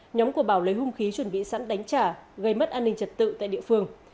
nhóm của bảo lấy hung khí chuẩn bị sẵn đánh trả gây mất an ninh trật tự tại địa phương